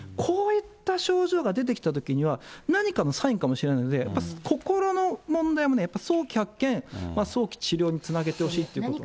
こういった症状が出てきたときには、何かのサインかもしれないので、やっぱり心の問題もね、やっぱり早期発見、早期治療につなげてほしいということで。